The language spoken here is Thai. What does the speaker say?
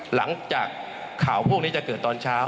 หลังจากข่าวพวกนี้จะเกิดตอนเช้า